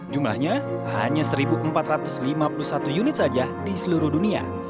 jumlahnya hanya satu empat ratus lima puluh satu unit saja di seluruh dunia